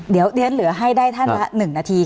เดี๋ยวเรียนเหลือให้ได้ท่านละ๑นาที